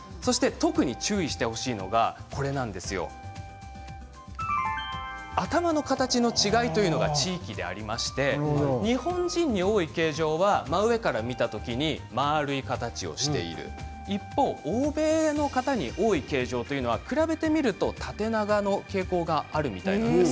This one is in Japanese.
特に注意してほしいのが頭の形の違いが地域でありまして日本人に多い形状は真上から見た時に丸い形をしている欧米の方に多い形状は比べてみると縦長の傾向があるみたいなんです。